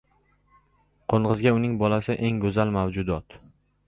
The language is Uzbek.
• Qo‘ng‘izga uning bolasi ― eng go‘zal mavjudot.